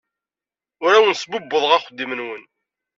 Ur awen-sbubbuḍeɣ axeddim-nwen.